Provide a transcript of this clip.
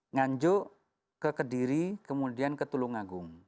nganjuk ke kediri kemudian ke tulungagung